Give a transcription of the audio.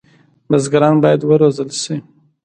بزګران باید وروزل شي.